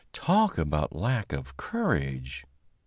Talk about a lack of courage!